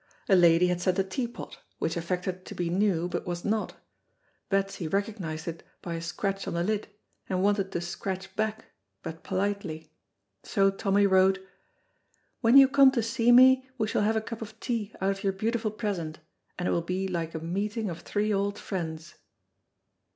A lady had sent a teapot, which affected to be new, but was not; Betsy recognized it by a scratch on the lid, and wanted to scratch back, but politely. So Tommy wrote, "When you come to see me we shall have a cup of tea out of your beautiful present, and it will be like a meeting of three old friends."